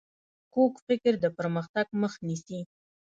کوږ فکر د پرمختګ مخ نیسي